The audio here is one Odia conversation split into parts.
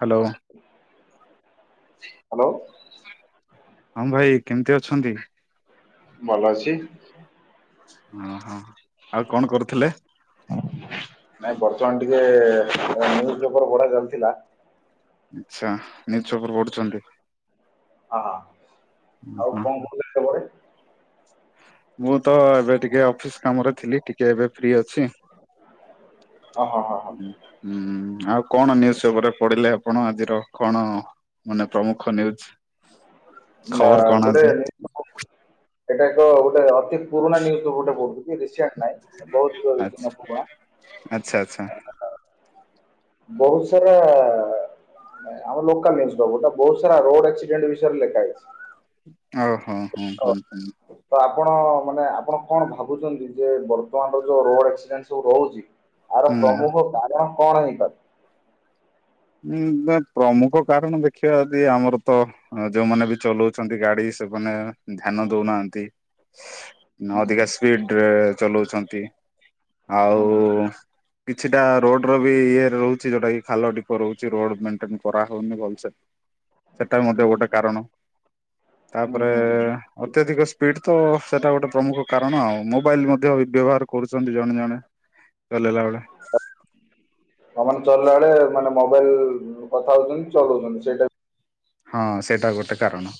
ହ୍ୟାଲୋ। ହ୍ୟାଲୋ। ହଁ ଭାଇ କେମିତି ଅଛନ୍ତି? ମଲାଛିୀ। ଓହୋ ଆଉ କଣ କରୁଥିଲେ? ନାଇଁ ବର୍ତ୍ତମାନ ଟିକେ ନିୁଜ ପେପର ପଡା ଚାଲିଥିଲା ଆଚ୍ଛା ନିୁଜ ପେପର ପଢୁଛନ୍ତି ହ ହ ଆଉ ହଁ। କଣ କା ପରେ? ମୁଁ ତ ଏବେ ଟିକେ ଅଫିସ କାମରେ ଥିଲି ଟିକେ ଏବେ ଫ୍ରି ଅଛି? ହଁ ହଁ ହଁ ହଁ ହୁଁ ଆଉ କଣ ନ୍ୟୁଜ୍ ପେପରରେ ପଢିଲେ ଆପଣ ଆଜିର କଣ? ମାନେ ପ୍ରମୁଖ ନ୍ୟୁଜ। ନା ଖବର କଣ ଗୋଟେ ଅଛି? ଏଟା ଏକ ଗୋଟେ। ପୁରୁଣା ନ୍ୟୁଜ୍ ପେପର ଟା ପଢୁଛି ରିସେଣ୍ଟ ନାଇଁ ବହୁତ ପୁରୁଣା। କତା [unintelligible] ବହୁତ ସାରା। ଆମ ଲୋକାଲ୍ ଏଇଟା ବହୁତ ସାରା ରୋଡ଼ ଆକ୍ସିଡେଣ୍ଟ ବିଷୟରେ ଲେଖା ହେଇଛି। ଓ ହୋ ହୋ ହଁ ହଁ। ତ ଆପଣ ମାନେ ଆପଣ କଣ ଭାବୁଛନ୍ତି ଯେ ବର୍ତ୍ତମାନର ଯୋଉ ରୋଡ଼ ଆକ୍ସିଡେଣ୍ଟ ସବୁ ହେଉଛି। ଏହାର ହୁଁ। ପ୍ରମୁଖ କାରଣ କଣ ହେଇପାରେ? ଉଁ ପ୍ରମୁଖ କାରଣ ଦେଖିବା ଯଦି ଆମର ତ ଯୋଉମାନେ ବି ଚଲାଉଛନ୍ତି ଗାଡ଼ି। ସେମାନେ ଧ୍ୟାନ ଦଉନାହାନ୍ତି। ହୁଁ ଅଧିକା ସ୍ପିଡରେ ଚଲାଉଛନ୍ତି। ହୁଁ ଆଉ କିଛିଟା ରୋଡ଼ ର ବି ଇଏରେ ରହୁଛି ଯୋଉଟା କି ଖାଲ ଢିପ। ରହୁଛି ରୋଡ଼ ମଣ୍ଟେନାନ୍ସ କରାହଉନି ଭଲସେ ସେଟା ବି ମଧ୍ୟ ହୁଁ ଗୋଟେ କାରଣ। ହୁଁ ତାପରେ ହୁଁ ହୁଁ ଅତ୍ୟଧିକ ସ୍ପିଡ ତ ସେଟା ଗୋଟେ ପ୍ରମୁଖ କାରଣ ଆଉ ମୁଁ ମୋବାଇଲ ମଧ୍ୟ ବ୍ୟବହାର। କରୁଛନ୍ତି ଜଣେ ଜଣେ ଚଲେଇବା ବେଳେ। ଆଉ ମାନେ ଚଳିଲା ମାନେ ମୋବାଇଲ କଥା ହଉଛନ୍ତି ଚଉଛନ୍ତି ସେଇଟା। ହଁ ସେଇଟା ଗୋଟେ କାରଣ।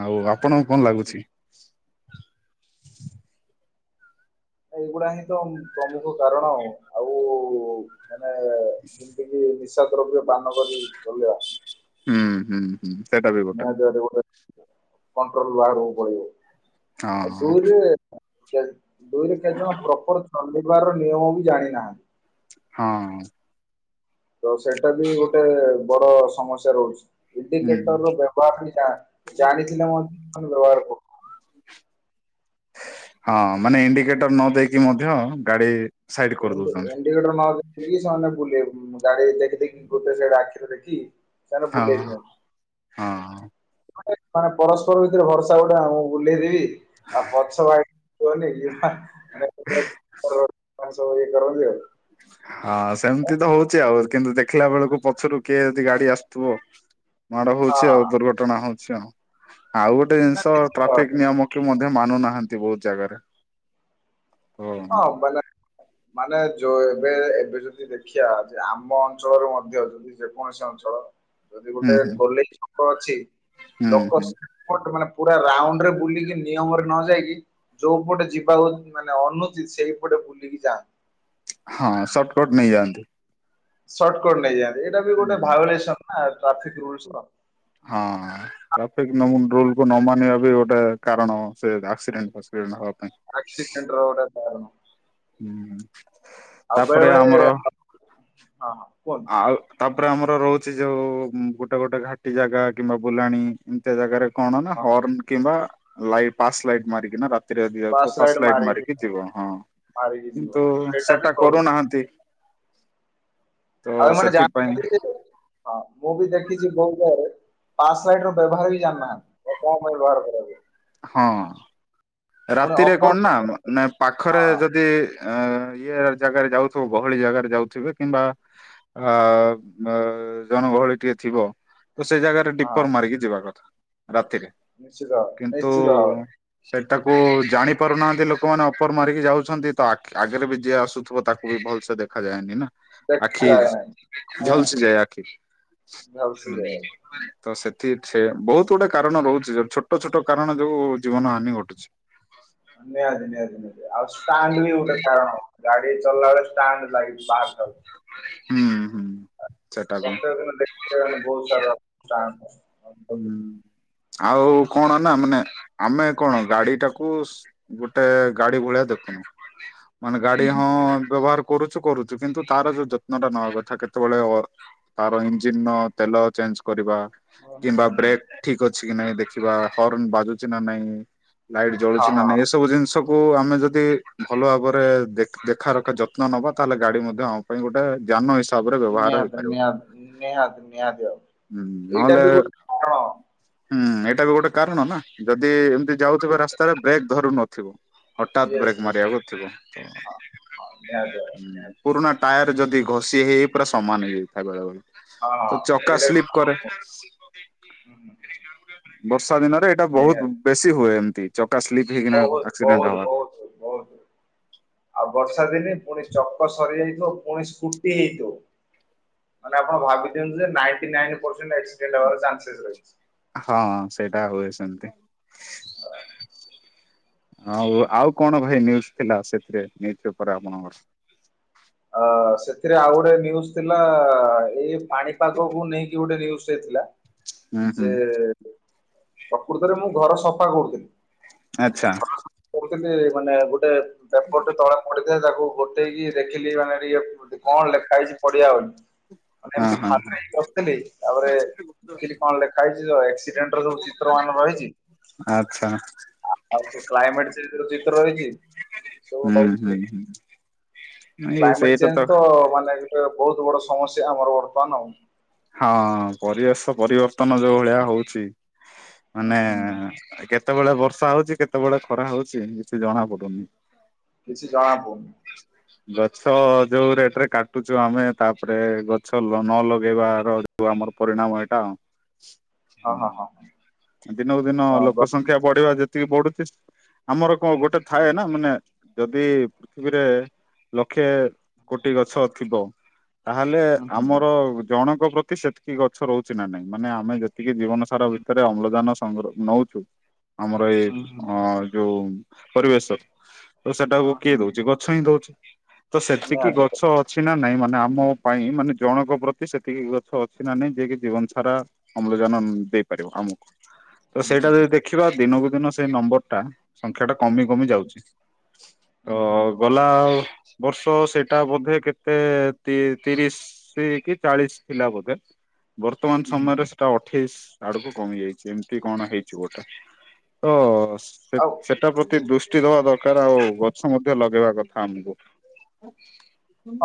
ଆଉ ଆପଣଙ୍କୁ କଣ ଲାଗୁଛି? ଏଇଗୁଡା ହିଁ ତ ପ୍ରମୁଖ କାରଣ ଆଉ। ମାନେ ହ [unintelligible] ଯେମିତି କିି [unintelligible] ନିଶା ଦ୍ରବ୍ୟ ପାନ କରି ଚଲେଇବା। ହୁଁ ହୁଁ ହୁଁ ସେଇଟା ବି ଗୋଟେ। ନିହାତି ଭାବରେ ଗୋଟେ କଣ୍ଟ୍ରୋଲ ବାହାରକୁ ପଳେଇବ। ହଁ। ଦୁଇ ରୁ କେତେଜଣ ପ୍ରପର୍ ରବିବାରର ନିୟମ ବି ଜାଣିନାହାନ୍ତି। ହଁ। ତ ସେଇଟା ବି ଗୋଟେ ବଡ ସମସ୍ୟା ରହୁଛି। ହୁଁ ଇଣ୍ଡିକେଟର ବ୍ୟବହାର ଜା-ଜାଣିଥିଲେ ମଧ୍ୟ ବ୍ୟବହାର କର ନାହାଁନ୍ତି। ହଁ ମାନେ ଇଣ୍ଡିକେଟର ନ ଦେଇକି ମଧ୍ୟ ଗାଡ଼ି [unintelligible] ଇଣ୍ଡିକେଟର ନ ଦେଖେଇ କି ସେମାନେ ବୁଲିବାକୁ ଗାଡି ଦେଖି ଦେଖି ଗୋଟେ ସେଇଟା ଆଖିରେ ଦେଖି। ହଁ ହଁ [unintelligible] ମାନେ ପରସ୍ପର ଭିତରେ ଭରସା ଗୋଟେ ମୁଁ ବୁଲେଇଦେବି। ଆଉ ପଛ [unintelligible] [unintelligible] ହ [unintelligible] ହଁ ସେମତି ତ ହଉଚି ଆଉ କିନ୍ତୁ ଦେଖିଲା ବେଳକୁ ପଛରୁ କିଏ ଯଦି ଗାଡି ଆସୁଥିବ। ମାଡ ହଁ ହଉଚି ଆଉ ହଁ ଦୁର୍ଘଟଣା ହଉଛି ଆଉ। ଆଉ ଗୋଟେ ନା ଜିନିଷ ନିଶ୍ଚିତ ଭାବରେ ଟ୍ରାଫିକ ନିୟମ କି ମଧ୍ୟ ମାନୁନାହାନ୍ତି ବହୁତ ଜାଗାରେ। ଓ ହଁ ମାନେ ମାନେ ଯୋଉ ଏବେ ଏବେ ଯଦି ଦେଖିବା ଯେ ଆମ ଅଞ୍ଚଳରୁ ମଧ୍ୟ ଯଦି ଯେକୌଣସି ଅଞ୍ଚଳ ଯଦି ହୁଁ ହୁଁ ଗୋଟେ ଗୋଲେଇ ଛକ ଅଛି ହୁଁ ଲୋକ ହୁଁ ସେପଟୁ ମାନେ ପୁରା ରାଉଣ୍ଡ ରେ ବୁଲିକି ନିୟମ ରେ ନ ଯାଇକି ଯୋଉପଟେ ଯିବାକୁ ମାନେ ଅନୁ ଚିତ୍ ସେଇପଟେ ବୁଲିକି ଯା। ହଁ ସଟକଟ ନେଇଯାଆନ୍ତି। ସଟ୍ କଟ ନେଇଯାଆନ୍ତି। ଏଇଟା ବି ଗୋଟେ ହୁଁ, ଭାଉଲେସନ ନା ଟ୍ରାଫିକ ରୁଲସ ର। ହଁ। ଟ୍ରାଫିକ ରୁଲକୁ ନ ମାନିବା ବି ଗୋଟେ କାରଣ ସେ ଆକ୍ସିଡେଣ୍ଟ ଫାକ୍ସିଡେଣ୍ଟ ହବା। ପାଇଁ। ଆକ୍ସିଦେଣ୍ଟ ର ଗୋଟେ କାରଣ। ହୁଁ। ଆଉ ବେଳେ ତାପରେ ଆମର ବେଳେ ହଁ ହଁ। କୁହନ୍ତୁ ଆଉ ତାପରେ ଆମର ରହୁଚି ଯଉ ଗୋଟେ ଗୋଟେ ଘାଟି ଜାଗା କିମ୍ବା ବୁଲାଣି ଏମିତିଆ ଜାଗାରେ କଣ ନା ହଁ ହଁ ହର୍ନ କିମ୍ବା ଲାଇ ପାସ୍ ଲାଇଟ୍ ମାରିକିନା ରା ରାତି ରେ ବି ଯାଉଥିବ ପାସ୍ ଫାସ୍ ଲାଇଟ୍ ଲାଇଟ ମାରିକି ଯିବ ହଁ। ମାରିକି ଯିବ କିନ୍ତୁ ହଁ ସେଇଟା ବି ସେଟା କରୁନା କରୁନାହାନ୍ତି। ତ ଆଉ ମାନେ ଜା ସେଥିପାଇଁ [unintelligible] ହଁ ମୁଁ ବି ଦେ ଖିଚି ବୋହୁତ ଜାଗାରେ ପାସାଇଡ୍ ର ବ୍ୟବହାର ବି ଯାଣିନାହାନ୍ତି କଣ ପାଇଁ ବ୍ୟବହାର କରାଯାଏ। ହଁ ରାତିରେ ଅପର କଣ ନା ମାନେ ପାଖରେ ହଁ ଯଦି ଅ ଇଏ ଜାଗାରେ ଯାଉଥୁବ ଗହଳି ଜାଗାରେ ଯାଉଥିବେ କିମ୍ବା ଆ ଜନଗହଳି ଟିକେ ଥିବ। କୁ ସେଇ ଜାଗାରେ ହଁ ଡିପର ମାରିକି ଯିବା କଥା ରାତିରେ ନିଶ୍ଚିତ ଭାବେ କିନ୍ତୁ ନିଶ୍ଚିତ ଭାବେ ସେ ତାକୁ ଜାଣି ପାରୁନାହାନ୍ତି ଲୋକମାନେ ଅପର ମାରିକି ଯାଉଛନ୍ତି। ତ ଆ-ଆଗରେ ବି ଯିଏ ଆସୁଥିବ ତାକୁ ବି ଭଲସେ ଦେଖାଯାଏନି ନା। ଆଖି ଦେଖାଯାଏ ନାହିଁ ଆଜ୍ଞା। ଝଲସି ଯାଏ ଆଖି ଝଲସି ଯାଏ ହୁଁ। ତ ସେଥି ସେ ବହୁତ ଗୋଟେ କାରଣ ରହୁଚି ଯୋଉ ଛୋଟ ଛୋଟ କାରଣ ଯୋଉ ଜୀବନ ହାନି ଘଟୁଛି। ନିହାତି ନିହାତି ନିହାତି ଆଉ ଷ୍ଟାଣ୍ଡ ବି ଗୋଟେ କାରଣ ଗାଡ଼ି ଚଲାବେଳେ ଷ୍ଟାଣ୍ଡଲାଇଟ୍ ବାହାରି ଯାଉଛି। ହୁଁ ହୁଁ। ସେଟା ବି ହୁଁ ପ୍ରତ୍ୟେକ ଦିନ ଦେଖାଇବା ବହୁତସାର ଷ୍ଟାଣ୍ଡ। ହୁଁ। ଆଉ କଣ ନା ମାନେ, ଆମେ କଣ ଗାଡି ଟାକୁ ଗୋଟେ ଗାଡି ଭଳିଆ ଦେଖୁନୁ ମାନେ ହୁଁ ଗାଡି ହଁ ବ୍ୟବହାର କରୁଛୁ କରୁଛୁ କିନ୍ତୁ ତାର ଯୋଉ ଯତ୍ନଟା ନବା କଥା, କେତେବେଳେ ଅର୍ ତାର ଇଞ୍ ର ତେଲ ଚେନ୍ କରିବା। ଓ ହୋ। କିମ୍ବା ବ୍ରେକ୍ ଠିକ୍ ଅଛିକି ନାଇଁ ଦେଖିବା, ହର୍ନ୍ ବାଜୁଚିକି ନାଇଁ? ଲାଇଟ୍ ହଁ ଜଳୁଚି ନା ହଁ ନାଇଁ ଏ ସବୁ ଜିନିଷ କୁ ଆମେ ଯଦି ଭଲ ଭାବରେ ଦେଖା ରଖା ଯତ୍ନ ନେବା, ତାହେଲେ ଗାଡି ମଧ୍ୟ ଆମ ପାଇଁ ଗୋଟେ ଜ୍ଞାନ ହିସା ତାପରେ, ବ୍ୟବହାର ନିହାତି ହେଇପାରିବ ନିହାତି ନିହାତି ନିହାତି ଆଉ ଏଇଟା ନହେଲେ ବି ଗୋଟେ କାରଣ। ହୁଁ ଏଇଟା, ବି ଗୋଟେ କାରଣ ନା ଯଦି ଏମିତି ଯାଉଥିବ ରାସ୍ତାରେ ବ୍ରେକ୍ ଧରୁନ ହଠାତ୍ ୟେସ୍ ବ୍ରେକ୍ ୟେସ୍ ମାରିବାକୁଥିବ ତ ହଁ ହଁ ନିହାତି ଭାବରେ ନିହାତି ପୁରୁଣା ଟାୟାର ଯଦି ଘଷି ହେଇ ହେଇ ପୁରା ସମାନ ହେଇଯାଇଥାଏ ବେଳେ ବେଳେ। ହଁ ତ ହଁ ଚକା ଏଇଟା ସ୍ଲିପ୍ ଗୋଟେ କରେ। ହୁଁ ହୁଁ। ବର୍ଷା ଦିନରେ ଏଇଟା ବହୁତ ନିହାତି ବେଶୀ ହୁଏ, ଏମିତି ଚ ବହୁତ ବହୁତ ବହୁତ ବହୁତ। ଆଉ ବର୍ଷା ଦିନେ ପୁଣି ଚକ ସରିଯାଇଥିବ, ପୁଣି ସ୍କୁଟି ହେଇଥିବ ମାନେ ଆପଣ ଭାବି ଦିଅନ୍ତୁ ଯେ ନାଇଣ୍ଟ ନାଇନି ପର୍ସେଣ୍ଟ ଏକ୍ସିଡେଣ୍ଟ ହବାର ଚାଞ୍ଚେସ ଅଛି। ହଁ ସେଇଟା ହୁଏ ସେମିତି। ଆଉ ଆଉ କଣ ଭାଇ ନିୟୁଜୁ ଥିଲା, ସେଥିରେ ନିୟୁଜୁ ପେପର ଆପଣଙ୍କର ଏଥିରେ ଆଉ ଗୋଟେ ନିୟୁଜୁ ଥିଲା, ଏଇ ପାଣିପାଗକୁ ନେଇକି ଗୋଟେ ନିୟୁଜୁ ଟେ ଥିଲା। ହୁଁ ହୁଁ ଯେ ପ୍ରକୃତରେ ମୁଁ ଘର ସଫା କରୁଥିଲି। ଆଚ୍ଛା। [unintelligible] ମାନେ ଗୋଟେ ପେପର ଟେ ତଳେ ପଡିଥିଲା ତାକୁ ଗୋଟେଇକି ଦେଖ ଦେଖିଲି ମାନେଇଏ କଣ ଲେଖା ହେଇଛି ପଢିଆ ଆଉ। ମାନେ ହଁ ଏମିତି ହଁ ଖାଲି ବସିଥିଲି ତାପରେ, ଦେଖିଲି କଣ ଲେଖା ହେଇଛି ଏକ୍ସିଡେଣ୍ଟ ର ଯୋଉ ଚିତ୍ର କଣ ରହିଛି? ଆଛା। ଆଉ ସେ କ୍ଲାଇମେଟ ଚେ ଚିତ୍ର ହେଇଛି ହୁଁ ହୁଁ [unintelligible] ହୁଁ। ଏ କ୍ଲାଇମେଟ ସେଇଟା ଚେଞ୍ଜ ତ ମାନେ ଗୋଟେ ବହୁତ ବଡ ସମସ୍ୟା ଆମର ବର୍ତ୍ତମାନ ଆଉ। ହଁ, ପରିବେଶ ପରିବର୍ତ୍ତନ ଯୋଉ ଭଳିଆ ହଉଛି। ହୁଁ ମାନେ ହୁଁ କେ କେତେବେଳେ ବର୍ଷା ହଉଛି, କେତେବେଳେ ଖରା ହଉଛି, କିଛି ଜଣା ପଡୁନି। କିଛି ଜଣାପଡୁନି। ଗଛ ଯୋଉ ରେଟ ରେ କାଟୁଛୁ ଆମେ ତାପରେ, ଗଛଲ ନ ଲଗେଇବା ର ରିବୁ [unintelligible] ଆମର ପରିଣାମ ଏଇଟା। ହଁ, ଆଉ। ହଁ, ହ। ଦିନକୁ ଦିନ ଲୋକ ସଂଖ୍ୟା ବଢିବା ଯେତିକି ବଢୁଛି, ଆମର କଣ ଗୋଟେ ଥାଏ ନା, ମାନେ ଯଦି ପୃଥିବୀରେ ଲକ୍ଷେ, କୋଟି ଗଛ ଥିବ ତାହେଲେ, ହୁଁ ହୁଁ ଆମର ଜଣଙ୍କ ପ୍ରତି ସେତିକି ଗଛ ରହୁଛି ନା, ନାଇଁ, ମାନେ ଆମେ ଯେ ଏତିକି ଜୀବନ ସାର ହୁଁ ଭିତରେ ଅମ୍ଳଜାନ ସଂଗହ ନଉଛୁ, ଆମର ଏଇ ହୁଁ ହୁଁ ଅ ଯୋଉ ପରିବେଶ ତ ସେଟାକୁ ହୁଁ କିଏ ହୁଁ ଦଉଛି? ଗଛ ହିଁ ଦଉଛି। ତ ସେତିକି ନିହାତି। ଭାବେ। ଗଛ ଅଛି ନା ନାଇଁ, ମା ନା, ଆମ ପାଇଁ, ମାନେ ଜଣଙ୍କ ପ୍ରତି ସେତିକି ଗଛ ଅଛି, ନା, ନାଇଁ, ଯିଏକି ଜୀବନ ସାରା ଅମ୍ଳଜାନ ଦେଇପାରିବ। ଆମୁ, ତ ହୁଁ ସେଇଟା ହୁଁ ଯଦି ଦେଖିବା, ଦିନକୁ ଦିନ ସେଇ ନମ୍ବର ଟା ସଂଖ୍ୟା ଟା କମି କମି ହୁଁ ଯାଉଛି, ତ ହୁଁ ହୁଁ ଗଲା ଆଉ ବର୍ଷ ସେଇଟା ବୋଧେ କେତେ, ତି ତିରିଶ କି, ଚାଳିଶ ଥିଲା ବୋଧେ? ବର୍ତ୍ତମାନ ହୁଁ ସମୟରେ ହୁଁ। ସେଟା ଅଠେଇଶ ଆଡକୁ କମିଯାଇଛି, ଏମିତି କଣ ହେଇଛି ଗୋଟେ, ତ ସେ, ଆଉ ସେଟା ପ୍ରତି ଦୃଷ୍ ଷ୍ଟି, ଦବା ଦରକାର, ଆଉ ଗଛ ମଧ୍ୟ ଲଗେଇବା କଥା ଆମକୁ।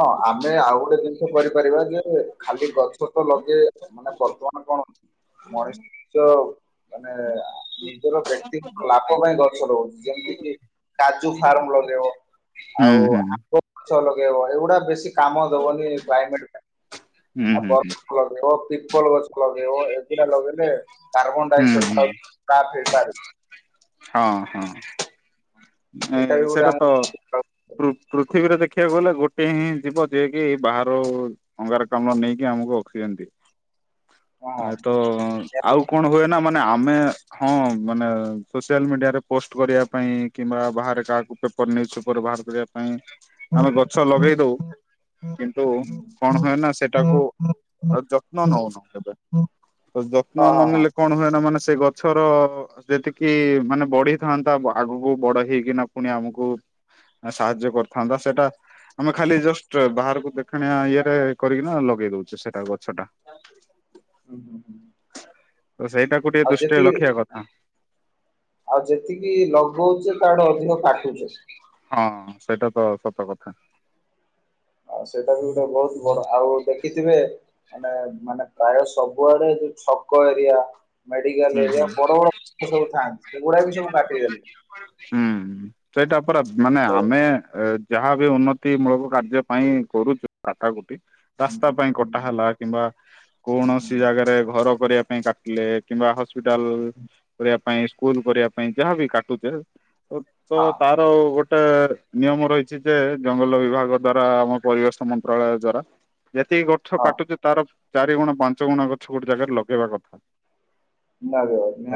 ହଁ, ଆମେ ଆଉ ଗୋଟେ ଜିନିଷ କରିପାରିବା, ଯେ ଖାଲି ଗଛ ତ ଲଗେଇ, ମାନେ ବର୍ତ୍ତମାନ କଣ? ହଁ। ମଣିଷ ନିଜ ମାନେ ନିଜର ବ୍ୟକ୍ତିଙ୍କ ଲାଭ ପାଇଁ ଗଛ ରହୁଛି, ଯେମିତି କିି କାଜୁ ଫାର୍ମ ଲଗେଇବ, ହୁଁ ଆଉ ହୁଁ ଆମ୍ବ ମାଛ ଲଗେଇବ, ଏଇଗୁଡା ବେଶୀ କାମ ଦବନି [unintelligible] ହୁଁ ହୁଁ ଗଛ। ଲଗେଇବ, ଏଗୁଡା ଲଗେଇଲେ କାର୍ବନ ହୁଁ ଡାଇଅକ୍ସାଇଡ ହୁଁ ଟାପ ହେଇପାରିବ। ହଁ, ହଁ, ଏଇଟା ବି ନାଇ ଗୋଟେ ସେଟା ଆମ ତ ପୃ, ପୃଥିବୀରେ ଦେଖିବାକୁ ଗଲେ, ଗୋଟେ ହିଁ ଯିବ, ଯିଏ କିି ବାହାରୁ ଅଙ୍ଗାର କମ୍ଳ ନେଇକି, ଆମକୁ ଅକ୍ସିଜେନ ଦିଏ। ଆ ହଁ ତ, ନିହାତି। ଆଉ କଣ ହୁଏ, ନା ମାନେ ନା, ଆମେ ହଁ, ମାନେ ସୋସିଆଲ ମିଡିଆରେ ପୋଷ୍ଟ କରିବା ପାଇଁ କିମ୍ବା, ବାହାରେ କାହାକୁ ପେପର ନିୁଉଜ ପେପର ବାହାର କରିବା ପାଇଁ ଆମେ ଗଛ ହୁଁ, ଲଗେଇ ଦଉ, କିନ୍ତୁ ହୁଁ, କଣ ହୁଏନା ସେ ଟାକୁ ଆ ଯତ୍ନ ନଉନ କେବେ, ତ ହଁ ଯତ୍ନ ହଁ ହଁ ନନେଲେ କଣ ହୁଏ ନା ମାନେ ସେ ଗଛର ଯେତିକି ମାନେ ବଢିଥାନ୍ତା, ଆଗକୁ କୁ ବଡ ହେଇକି ନା ପୁଣି ଆମକୁ ସାହାଯ୍ୟ କରିଥାନ୍ତା, ସେଇଟା ଆମେ ଖାଲି ଜଷ୍ଟ ବାହାରକୁ ଦେଖାଣିଆ ଇଏରେ କରିକିନା ଲଗେଇ ଦଉଛେ, ସେଟା ଗଛ ଟା ହୁଁ, ହୁଁ, ହୁଁ। ତ ସେଇଟାକୁ ଟିକେ ଆଉ ଦୃଷ୍ଟିରେ ଯେତିକି, ରଖିବା କଥା। ଆଉ ଯେତିକି ଲଗଉଚେ ତାଠୁ ଅଧିକ କାଟୁଛି। ହଁ, ସେଇଟା ତ ସତ କଥା। ଆଉ ସେଇଟା ବି ଗୋଟେ ବହୁତ ବଡ, ଆଉ ଦେଖି ଥିବେ, ମାନେ ମାନେ ପ୍ରାୟ ସବୁଆଡେ ଯୋଉ ଛକ ଏରିଆ ହୁଁ ମେଡିକାଲ ହୁଁ ଏରିଆ, ବଡ ବଡ ସବୁ ଥାନ୍ତି ସେଗୁଡା ବି ସବୁ କାଟିଦଲେ। ହୁଁ। ସେଇଟା ପରା ମାନେ, ଆମେ ଏ ଯାହା ବି ଉନ୍ନତି ମୂଳକ କାର୍ଯ୍ୟ ପାଇଁ କରୁଚୁ [unintelligible] ହଁ ରାସ୍ତା ପାଇଁ କଟା ହେଲା, କିମ୍ବା କୌଣସି ଜାଗାରେ ଘର କରିବା ପାଇଁ କାଟିଲେ କିମ୍ବା ହସ୍ପିଟାଲ କରିବା ପାଇଁ ସ୍କୁଲ କରିବା ପାଇଁ ଯାହାବି କାଟୁଚେ ତ ତ ତାର ଗୋ ଗୋଟେ ନିୟମ ରହିଛି ଯେ ଜଙ୍ଗଲ ବିଭାଗ ଦ୍ଵାରା ଆମ ପରିବେଶ ମନ୍ତ୍ରାଳୟ ଦ୍ଵାରା, ଯେତିକି ଗଛ ହଁ କାଟୁଛି ତାର ଚାରି ଗୁଣ ପାଞ୍ଚ ଗୁଣ ଗଛ ଗୋଟେ ଜାଗାରେ ଲଗେଇବା କଥା।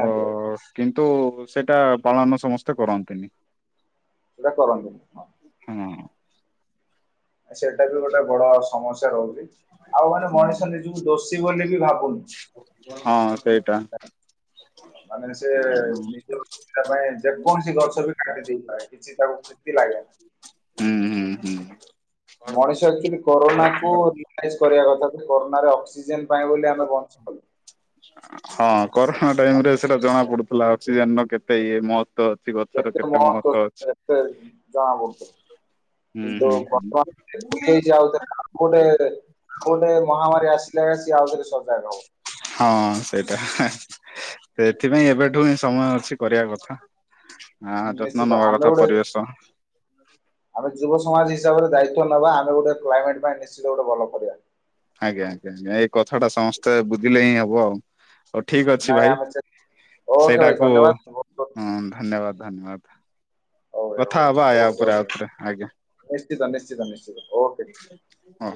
ଅ କିନ୍ତୁ ସେଇଟା ପାଳନ ସମସ୍ତେ କରନ୍ତିନି। ସେଟା କରନ୍ତିନି ହଁ। ହୁଁ। ସେଇଟା ବି ଗୋଟେ ବଡ ସମସ୍ୟା ରହୁଛି ଆଉ ମାନେ, ମଣିଷ ନିଜକୁ ଦୋଷୀ ବୋଲି ବି ଭାବୁନି ହଁ। ସେଇଟା [unintelligible] ମାନେ ସେ ନିଜ ଅସୁବିଧା ପାଇଁ ଯେକୌଣସି ଗଛ ବି କାଟି ଦେଇପାରେ। କିଛି ତାକୁ କ୍ଷତି ଲାଗେନା। ହୁଁ ହୁଁ ହୁଁ। ମଣିସ ଏକ୍ଚୁଆଲି କରୋନା କୁ ରିଭାଇସ୍ କରିବା କଥା କରୋନା ରେ ଅସିକ୍ଜେନ ପାଇଁ ବୋଲି ଆମେ ବଞ୍ଚି ପାରୁ ହଁ କରୋନା ଟାଇମ୍ ରେ ସେଟା ଜଣା ପଡୁଥିଲା ଅକ୍ସିଜେନ ର କେତେ ଇଏ ମହତ୍ କେତେ ମହତ୍ୱ [unintelligible] କେତେ ଜଣାପଡ଼ୁଥିଲା। ହୁଁ କିନ୍ତୁ ହୁଁ ବର୍ତ୍ତମାନ ଫେର୍ ଫୁଲି ଆଉଥରେ ଆଉ କୋଟେ ଆଉ କୋଟେ ମହାମାରୀ ଆସି ଥିଲା ସିଏ ଆଉଥରେ ସଜାଗା ହବ ହଁ ସେଇଟା ସେଥିପାଇଁ ଏବେଠୁ ହିଁ ସମୟ ଅଛି କରିବା କଥା। ହଁ ଯତ୍ନ ନିଶ୍ଚିତ ନବା ଆମେ କଥା ଗୋଟେ ପରିବେଶ ଆମେ ଯୁବ ସମାଜ୍ ହିସାବ ରେ ଦାୟିତ୍ବ ନେବା ଆମେ ଗୋଟେ କ୍ଲାଇମେଟ୍ ପାଇଁ ନିଶ୍ଚିତ ଗୋଟେ ଭଲ କରିବା। ଆଜ୍ଞା ଆଜ୍ଞା ଆଜ୍ଞା ଏଇ କଥାଟା ସମସ୍ତେ ବୁଝିଲେ ହିଁ ହବ ଆଉ। ଆଉ ଠିକ୍ ଅଛି ନାଇଁ ଭାଇ ଆମେ ଓକେ ଭାଇ ସେଇଟାକୁ ଧନ୍ୟବାଦ ହୁଁ ଧନ୍ୟବାଦ୍। ଧନ୍ୟବାଦ କଥା ହବା ଆୟା ଓକେ ଉପରେ ଓକେ ଆଉ ଥରେ ଆଜ୍ଞା। ନିଶ୍ଚିତ ନିଶ୍ଚିତ ନିଶ୍ଚିତ ଓକେ। ହଉ।